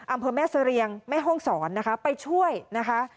อำเภอแม่เสรียงแม่ห้องศรนะคะไปช่วยนะคะ